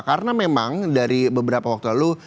karena memang dari beberapa waktu lalu